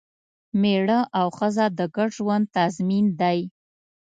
مېړه او ښځه د ګډ ژوند تضمین دی.